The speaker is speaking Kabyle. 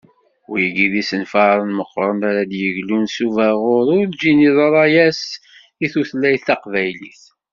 Wigi d isenfaren meqqṛen ara d-yeglun s ubaɣur urǧin yeḍra-as i tutlayt taqbaylit.